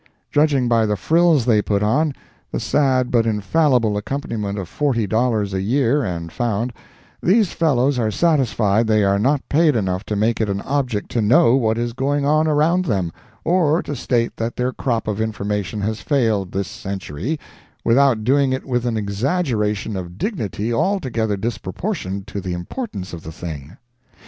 Judging by the frills they put on—the sad but infallible accompaniment of forty dollars a year and found—these fellows are satisfied they are not paid enough to make it an object to know what is going on around them, or to state that their crop of information has failed, this century, without doing it with an exaggeration of dignity altogether disproportioned to the importance of the thing.